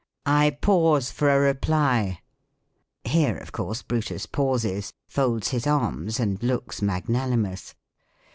I pause for a reply." Here of course, Brutus pauses, folds his arms, and looks magnanimous.